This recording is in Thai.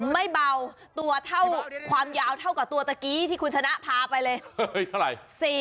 ไม่เบาตัวเท่าความยาวเท่ากับตัวตะกี้ที่คุณชนะพาไปเลยเท่าไหร่